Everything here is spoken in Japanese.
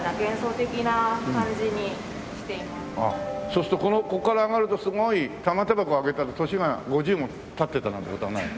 そうするとここから上がるとすごい玉手箱開けたら年が５０も経ってたなんて事はない？